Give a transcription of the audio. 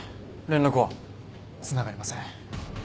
連絡は？つながりません。